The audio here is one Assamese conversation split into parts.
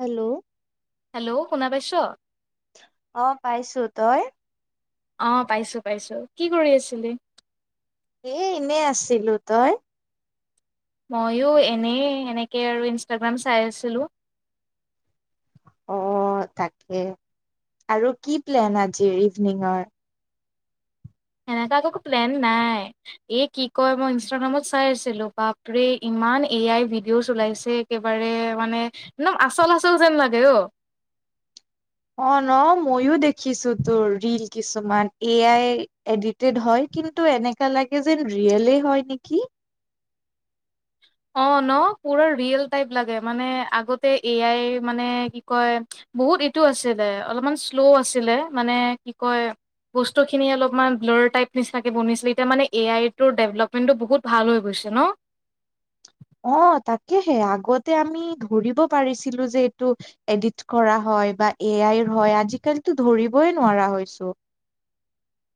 হেল্ল'। হেল্ল', শুনা পাইছ? অ', পাইছো, তই? অ', পাইছো, পাইছো, কি কৰি আছিলি? এ, এনেই আছিলো, তই? ময়ো এনেই, সেনেকে আৰু ইনষ্টাগ্ৰাম চাই আছিলোঁ। অ', তাকে আৰু কি প্লেন আজিৰ, ইভিনিঙৰ। সেনেকা একো প্লেন নাই। এ, কি কয় মই ইনষ্টাগ্ৰামত চাই আছিলো, বাপ ৰে ইমান এ আই ভিডিঅ'জ ওলাইছে। একেবাৰে মানে, একদম আচল আচল যেন লাগে অ' অ', ন ময়ো দেখিছো, তোৰ ৰিল কিছুমান, এ আই এডিট টেড হয়, কিন্তু এনেকা লাগে, যেন ৰিয়েলে হয় নেকি। অ', ন পুৰা ৰিয়েল টাইপ লাগে, মানে আগতে এ আই মানে কি কয় বহুত এইটো আছিলে, অলপমান শ্ল' আছিলে মানে কি কয়। বস্তুখিনি অলপমান ব্লৰ টাইপ নিচিনাকে বনিছিলে, এতিয়া মানে এ আই টোৰ ডেভলপমেণ্টটো বহুত ভাল হৈ গৈছে ন। অ', তাকেহে আগতে আমি ধৰিব পাৰিছিলো যে এইটো এডিট কৰা হয় বা এ আইৰ হয়, আজিকালিতো ধৰিবই নোৱাৰা হৈছো।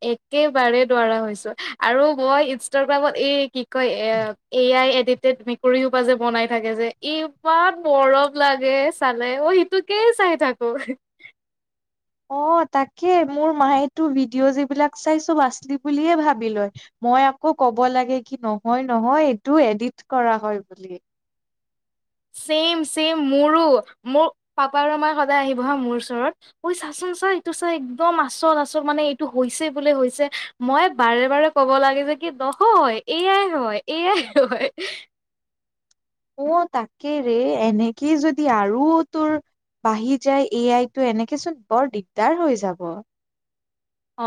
একেবাৰে নোৱাৰা হৈছো আৰু মই ইনষ্টাগ্ৰামত এই কি কয় এ, এ আই এদিতেদ নে কৰি শুপা যে বনাই থাকে যে ইমান মৰম লাগে চালে, অ', সিটোকেই চাই থাকো। অ', তাকে মোৰ মায়েতো ভিডিঅ'যি যিবিলাক চাই চব আচলি বুলিয়ে ভাবি লয়। মই আকৌ ক'ব লাগে কি নহয়-নহয় এইটো এডিট কৰা হয় বুলি। ছেম-ছেম, মোৰো মোৰ পাপাৰ [unintelligible] সদায় আহিব হা মোৰ ওচৰত। ঐ, চাচোন-চা এইটো চা একদম আচল-আচল, মানে এইটো হৈছে বোলে হৈছে। মই বাৰে বাৰে ক'ব লাগে যে কি নহয় এ য়াই হয়, এ য়াই হয়। অ', তাকে ৰে, এনেকেই যদি আৰু তোৰ বাঢ়ি যায় এ আইতো এনেকে চোন বৰ দিগদাৰ হৈ যাব।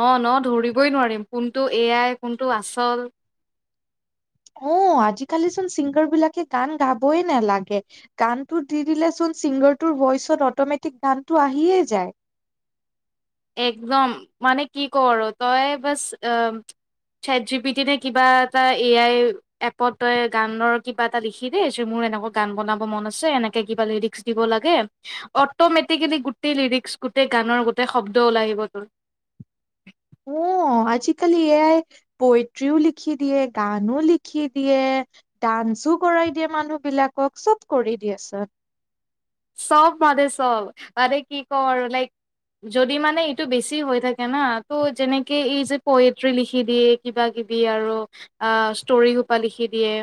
অ', ন ধৰিবই নোৱাৰিম, কোনটো এ আই, কোনটো আচল। অ', আজিকালিচোন চিংগাৰ বিলাকে গান গাবয়ে নালাগে। গানতটো দি দিলে চোন ছিংগাৰটোৰ ভইচত অটমেটিক গানটো আহিয়ে যায়। একদম মানে কি কৱ আৰু তই বছ অ' চেট জি পি টি নে কিবা এটা এ আই এপত তই গানৰ কিবা এটা লিখি দে, যে মোৰ এনেকুৱা গান বনাব মন আছে, এনেকে কিবা লিৰিক্স দিব লাগে, অটমেটিকেলি গোটেই লিৰিক্স, গোটেই গানৰ, গোটেই শব্দ ওলাই আহিব তোৰ। অ', আজিকাল এ আই পইট্ৰিও লিখি দিয়ে, গানো লিখি দিয়ে। ডান্সো কৰাই দিয়ে মানুহ বিলাকক, চব কৰি দিয়ে চুন। চব মানে চব, মানে কি কও আৰু লাইক যদি মানে এইটো বেছি হৈ থাকে না ত' যেনেকে এই যে পয়ট্ৰি লিখি দিয়ে। কিবা-কিবি আৰু আঁহ' ষ্টৰি হোপা লিখি দিয়ে।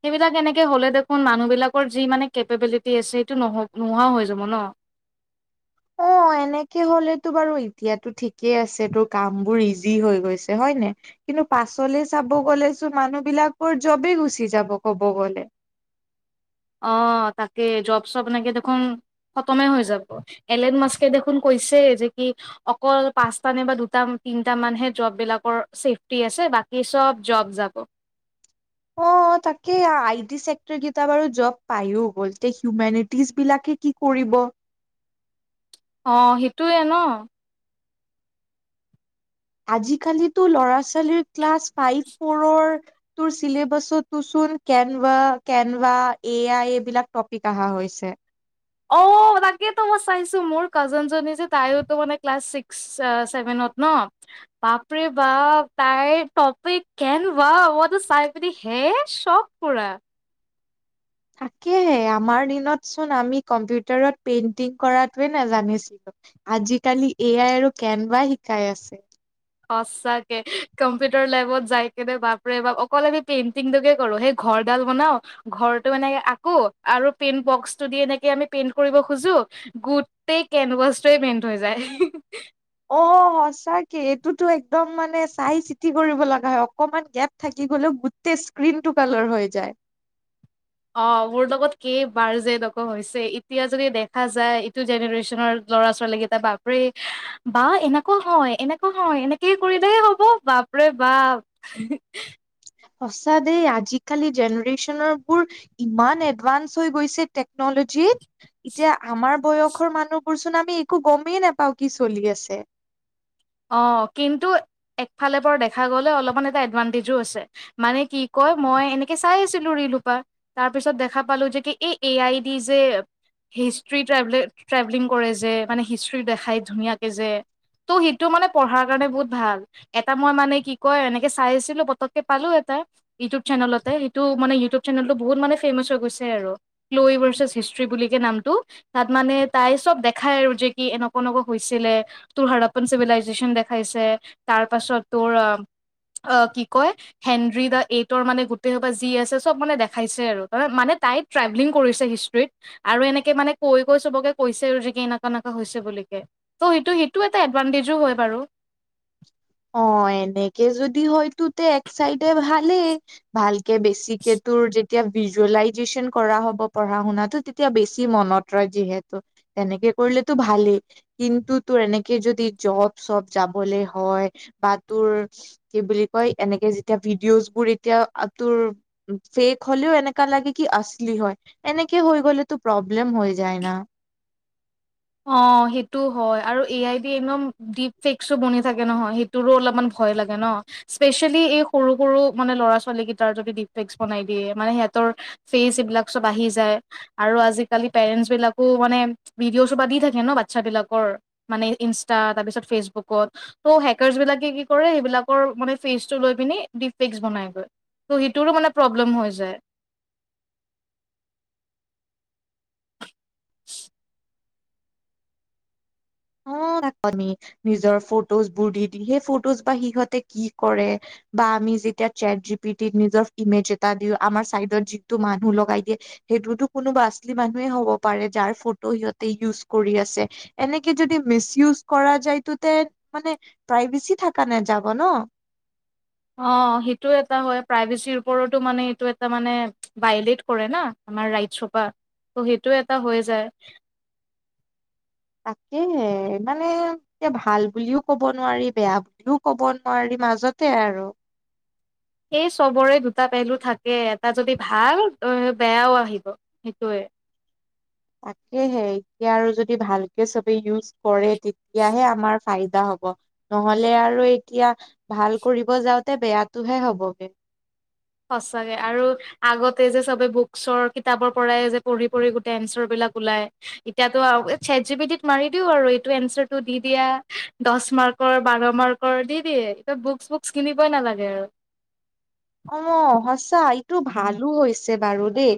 সেইবিলাক এনেকে হ'লে দেখোন মানুহ বিলাকৰ যি মানে কেপেবিলিটি আছে সেইটো- নোহোৱাও হৈ যাব ন। অঁ',। এনেকে হ'লেতো বাৰু এতিয়াতো ঠিকেই আছে তোৰ কামবোৰ ইজি হৈ গৈছে হয় নাই। কিন্তু পাছলে চাব গ'লে চোন মানুহ বিলাকৰ জবেই গুচি যাব ক'ব গ'লে। অঁ', -তাকে, জব-চব এনেকে দেখোন খতমে হৈ যাব। এলেন মাস্কে দেখোন কৈছে যে কি- অকল পাঁচটা নে বা দুটা, তিনটা মানহে জব বিলাকৰ চছেফটি আছে বাকী চব জব যাব। অঁ',। তাকে, আই টি আই চেক্টৰ কেইটা বাৰু জব পাইও গ'লতে হিউমেটিজ বিলাকে কি কৰিব। অঁ', -সেইটোৱে ন'। আজিকালিতো ল'ৰা-ছোৱালীৰ ক্লাছ ফাইভ ফৰ্- তোৰ চছিলেবাছতটো চোন কেনভা, কেনভা এ আই এইবিলাক টপিক অহা হৈছে। অঁ', তাকেটো মই চাইছো মোৰ কাজ জনী যে তাইতো মানে ক্লাছ ছিক্স ছেভেনত ন'। বাপৰে বাপ তাইৰ টপিক কেন বাও মই তো চাই পিনে হে চব- পুৰা। তাকে'হে আমাৰ দিনত চোন আমি কম্পিউটাৰত পেইন্টিং কৰাতোৱে নেজানিছিলো। আজিকালি এ আই আৰু কেনবা শিকাই আছে। সঁচাকে, কম্পিউটাৰ লেবত যাই কেনে বাপৰে বাপ অকল আমি পেইন্টিংটোকে কৰো, সেই- ঘৰ ডাল বনাও- ঘৰটো এনেকে আকো আৰু পেইণ্ট বক্সটো দি এনেকে আমি পেইট কৰিব খোজো- গোটেই কেনভাছটোৱে মেনথ হৈ যায়। অ' সঁচাকে এইটোতো একদম মানে চাই চিটি কৰিব লগা হয় অকণমান গেপ থাকি গ'লেও- গোটেই স্ক্ৰিন টু কালাৰ হৈ যায়। অঁ' মোৰ লগত কেই বাৰ যে এনেকুৱা হৈছে। এতিয়া যদি দেখা যায় ইটো জেনেৰেশ্যনৰ ল'ৰা-ছোৱালীক- ত বাপ'ৰে- বা এনেকুৱা হয়, এনেকুৱা হয়, এনেকে কৰিলে হ'ব বাপ'ৰে বাপ। [unintelligible] সঁচা দেই, আজিকালি জেনেৰেচনৰ বোৰ ইমান এডভান্স হৈ গৈছে টেক- নলজিত। এতিয়া আমাৰ- বয়সৰ মানুহবোৰ চোন আমি একো গমেই নাপাওঁ, কি চলি আছে। অঁ', কিন্তু একফালে পৰা দেখা গ'লে অলপমান এটা এডভান্টেজো আছে। মানে কি কয় মই এনেকে চাই আছিলো ৰিল সোপা- তাৰ পিছত দেখা পালো যে কি এই এ আই ডি যে- হিষ্টি ট্ৰেভল, ট্ৰেভেলিং কৰে যে মানে হিষ্ট্ৰি দেখাই ধুনীয়াকে যে ত' সেই- টো মানে পঢ়াৰ কাৰণে বহুত ভাল। এটা মই মানে কি কয় এনেকে চাই আছিলো পতককে পালো এটা- ইউটিউব চেনেলতে, সেইটো মানে ইউটিউব চেনেলটো বহুত মানে ফেমাচ হৈ গৈছে আৰু। ল [unintelligible] ভাৰ্চছ হিষ্ট্ৰি বুলিকে নামটো। তা'ত মানে তাই চব দেখাই আৰু যে কি এনেকুৱা-এনেকুৱা হৈছিলে তোৰ হাৰত। চিভিলাইজেচন দেখাইছে, তাৰ পাছত তোৰ কি কয়- হেনৰি দা এইটৰ মানে গোটেই সোপা যি আছে চব মানে দেখাইছে আৰু। ত' মানে তাই- ট্ৰেভেলিং কৰিছে হিষ্ট্ৰীত। আৰু এনেকে মানে কৈ কৈ চবকে কৈছে আৰু যে কি এনেকুৱা এনেকুৱা হৈছে বুলিকে। ত' সেইটো সেইটো এডভানটেজো হয় বাৰু। অ', এনেকে যদি হয়তো তে এক চাইডে ভালে। ভালকে বেছিকে তোৰ যে তিয়া ভিজুৱেলাইজেচন কৰা হ'ব পঢ়া শুনাতো তেতিয়া বেছি মনত ৰয় যিহেতু। এনেকে কৰিলেতো ভালেই কিন্তু তোৰ এনেকে যদি জব চব যা লে হয় বা তোৰ কি বুলি কয় এনেকে যেতিয়া ভিডিঅ'জ বোৰ এতিয়া তোৰ ফেক হ'লেও এনেকা লাগে কি আচলি হয়। এনেকে হৈ গ'লেতো প্ৰব্লেম হৈ যায় ন। অ', সেইটো হয় আৰু এ আই ডি একদম ডিপ ফেক্সো বনি থাকে নহয়। সেই টোৰো অলপমান ভয় লাগে ন। স্পেচিয়েলি এই সৰু সৰু মানে ল'ৰা ছোৱালী কেইটাৰ যদি ডিফ্লেস্ক বনাই দিয়ে মানে সিহঁতৰ ফেচ এইবিলাক চব আহি যায় আৰু আজিকালি পেৰেণ্টছ বিলাকো মানে ভিডিঅ' দি থাকে ন বাচ্ছাবিলাকৰ মানে ইনষ্টা তাৰপিছত ফেচবুকত। ত' হেকাৰছবিলাকে কি কৰে সেইবিলাকৰ মানে ফেচটো লৈ পিনি ডিফ্লেস্ক বনাইগৈ। ত' সেইটোৰো মানে প্ৰব্লেম হৈ যায়। অ', [unintelligible] নিজৰ ফটোজবোৰ দি দি সেই ফটোজ বা সিহঁতে কি কৰে। বা আমি যেতিয়া চেট জি পি টিত নিজৰ ইমেজ এটা দিওঁ আমাৰ চাইডত যিটো মানুহ লগাই দিয়ে। সেইটোতো কোনো আচলি মানুহে হ'ব পাৰে যাৰ ফটো সিহঁতে ইউজ কৰি আছে। এনেকে যদি মিচ ইউজ কৰা যায়তো তে মানে প্ৰাইভেচি থাকা নেযাব ন। অ', সেইটো এটা হয় প্ৰাইভেচিৰ ওপৰতো মানে এইটো এটা মানে ভাইলেট কৰে না আমাৰ ৰাইটছ সোপা ত' সেইটো এটা হৈ যায়। তাকেহে মানে এতিয়া ভাল বুলিও ক'ব নোৱাৰি বেয়া বুলিও ক'ব নোৱাৰি মাজতে আৰু। সেই চবৰে দুটা পেহলু থাকে এটা যদি ভাল বেয়াও আহিব সেইটোয়ে। তাকেহে এতিয়া আৰু যদি ভালকে চবে ইউজ কৰে তেতিয়াহে আমাৰ ফাইদা হ'ব। নহ'লে আৰু এতিয়া ভাল কৰিব যাওঁতে বেয়াটোহে হ'বগে। সঁচাকে আৰু আগতে যে চবে বুকচৰ কিতাপৰ পৰাই যে পঢ়ি পঢ়ি গোটেই এনচাৰবিলাক ওলায়। এতিয়াতো আৰু এ ছেট জি পি টিত মাৰি দিওঁ আৰু এইটো এনচাৰটো দি দিয়া দহ মাৰ্কৰ বাৰ মাৰ্ক ৰ দি দিয়ে। এয়া বুকচ বুকচ কিনিবই নালাগে আৰু। অ', সঁচা এইটো ভালো হৈছে বাৰু দেই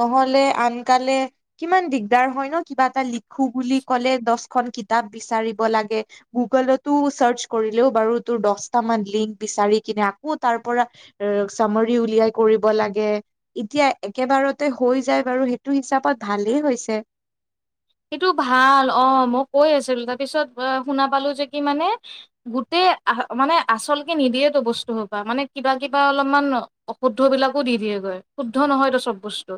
নহ'লে আনকালে কিমান দিগদাৰ হয় ন কিবা এটা লিখো বুলি ক'লে দহখন কিতাপ বিচাৰিব লাগে। গুগলতো চাৰ্চ কৰিলেও বাৰু তোৰ দহটামান লিংক বিচাৰি কিনে আকৌ তাৰ পৰা চামাৰি উলিয়াই কৰিব লাগে। এতিয়া একেবাৰতে হৈ যায় বাৰু সেইটো হিচাপত ভালেই হৈছে। সেইটো ভাল অ' মই কৈ আছিলো তাৰপিছত শুনা পালো যে কি মানে গোটেই আহ মানে আচলকে নিদিয়েতো বস্তু সোপা মানে কিবা কিবা অলপমান অশুদ্ধ বিলাকো দি দিয়েগৈ শুদ্ধ নহয়তো চব বস্তু।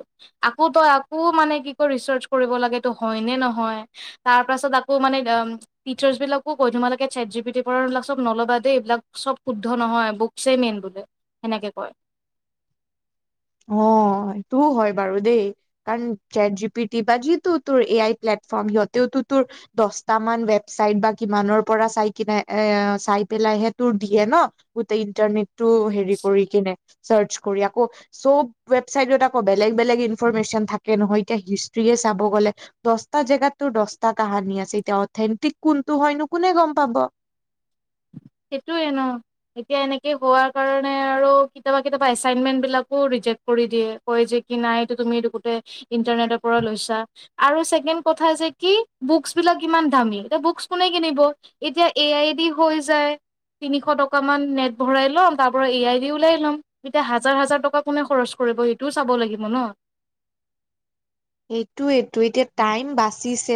আকৌ তই আকৌ মানে কি কয় ৰিচাৰ্চ কৰিব লাগে সেইটো হয় নে নহয়। তাৰ পাছত আকৌ মানে অম টিচাৰ্চবিলাকো কয় তোমালোকে চেটজিপিটিৰ পৰা এইবিলাক চব নল'বা দেই এইবিলাক চব শুদ্ধ নহয়। ব চে মেইন বোলে সেনেকে কয়। অ', এইটোও হয় বাৰু দেই। কাৰণ চেটজিপিটি বা যিটো তোৰ এ আই প্লেটফৰ্ম সিহঁতেওতো তোৰ দছটামান ৱেবচাইট বা কিমানৰ পৰা চাই কিনে এ, চাই পেলাইহে তোৰ দিয়ে ন'। গোটেই ইণ্টাৰনেটটো হেৰি কৰি কেনে চাৰ্চ কৰি, আকৌ চব ৱেবচাইটত আকৌ বেলেগ বেলেগ ইনফৰমেচন থাকে নহয়, এতিয়া হিষ্ট্ৰিয়ে চাব গ'লে দছটা জেগাত তোৰ দছটা কাহানী আছে এতিয়া অথেণ্টিক কোনটো হয়নো কোনে গম পাব। সেইটোৱে ন'। এতিয়া এনেকে হোৱাৰ কাৰণে আৰু কেতিয়াবা কেতিয়াবা এচাইনমেন্টবিলাকো ৰিজেক্ট কৰি দিয়ে। কয় যে কি নাই এইটো তুমি এইটো গোটেই ইন্টাৰনেটৰ পৰা লৈছা। আৰু ছেকেণ্ড কথা যে কি বুকছবিলাক ইমান দামী, এতিয়া বুকছ কোনে কিনিব। এতিয়া এ আই দি হৈ যায়। তিনিশ টকামান নেট ভৰাই ল'ম তাৰ পৰা এ আই দি ওলাই ল'ম। এতিয়া হাজাৰ হাজাৰ টকা কোনে খৰচ কৰিব, এইটোও চাব লাগিব ন'। এইটোৱেতো এতিয়া টাইম বাচিছে।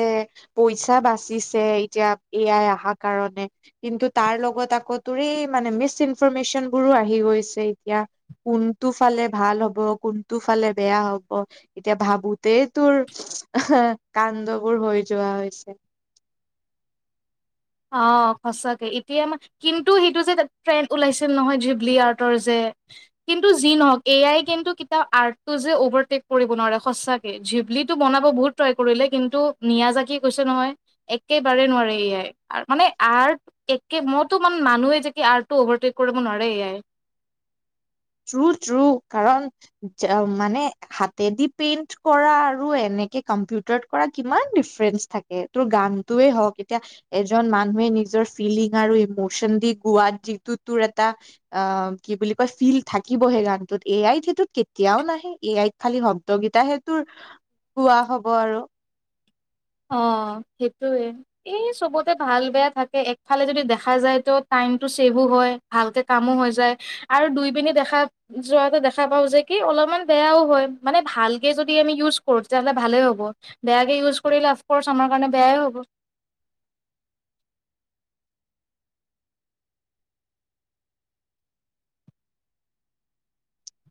পইচা বাচিছে এতিয়া এ আই আহা কাৰণে। কিন্তু তাৰ লগত আকৌ তোৰ এই মানে মিচ ইনফৰমেচনবোৰো আহি গৈছে এতিয়া। কোনটো ফালে ভাল হ'ব, কোনটো ফালে বেয়া হ'ব এতিয়া ভাবোঁ তেই তোৰ কাণ্ডবোৰ হৈ যোৱা হৈছে। অ' সঁচাকে এতিয়া আমা কিন্তু সেইটো যে ট্ৰেণ্ড ওলাইছিল নহয় জিবলি আৰ্টৰ যে কিন্তু যি নহওঁক এ আই কিন্তু কেতিয়াও আৰ্টটো যে অভাৰটেক কৰিব নোৱাৰে সঁচা কে জিবলিটো বনাব বহুত ট্ৰাই কৰিলে কিন্তু নিয়াজাকিয়ে কৈছে নহয়। একেবাৰে নোৱাৰে এ আই। আৰ মানে আৰ্ট একে মইতো মানে মানুহে যে কি আৰ্টটো অভাৰটেক কৰিব নোৱাৰে এ আই। ট্ৰু ট্ৰু কাৰণ যা মানে হাতেদি পেইন্ট কৰা আৰু এনেকে কম্পিউটাৰত কৰা কিমান ডিফাৰেন্স থাকে। তোৰ গানটোৱে হওঁক এতিয়া এজন মানুহে নিজৰ ফিলিং আৰু ইমচন দি গোৱাত যিটো তোৰ এটা আ, কি বুলি কয় ফিল থাকিবহে গানটোত এ আইত সেইটো কেতিয়াও নাহে, এ আইত খালি শব্দ কেইটাহে তোৰ গোৱা হ'ব আৰু। অ', সেইটোৱে। এই চবতে ভাল বেয়া থাকে, একফালে যদি দেখা যায় ত' টাইমটো ছেভো হয়। ভালকে কামো হৈ যায় আৰু দুই পিনে দেখা যোৱাটো দেখা পাওঁ যে কি অলপমান বেয়াও হয়, মানে ভালকে যদি আমি ইউজ কৰোঁ তেতিয়াহ'লে ভালেই হ'ব। বেয়াকে ইউজ কৰিলে আফকৰ্চ আমাৰ কাৰণে বেয়াই হ'ব।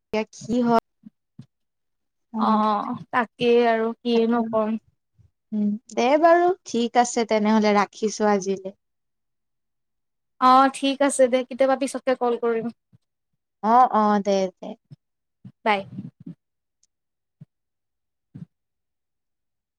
এতিয়া কি হ অ' তাকেই আৰু, তাকে কিনো ক'ম। উম, দে বাৰু, ঠিক আছে তেনেহ'লে ৰাখিছোঁ আজিলে। অ' ঠিক আছে দে, কেতিয়াবা পিছতকে কল কৰিম। অ', অ', দে, দে। বাই।